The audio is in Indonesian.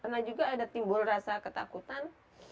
pernah juga ada timbul rasa ketakutan